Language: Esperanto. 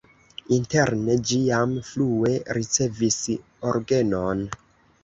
Interne ĝi jam frue ricevis orgenon.